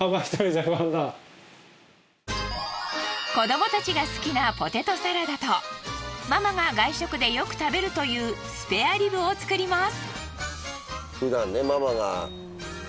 子どもたちが好きなポテトサラダとママが外食でよく食べるというスペアリブを作ります。